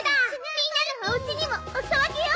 みんなのおうちにもお裾分けよ！